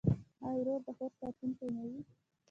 آیا ورور د خور ساتونکی نه وي؟